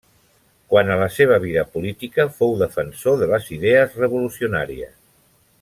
Quant a la seva vida política, fou defensor de les idees revolucionàries.